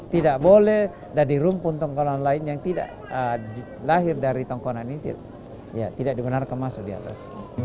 tidak boleh dari rumpun tongkolan lain yang tidak lahir dari tongkonan ini tidak dibenarkan masuk di atas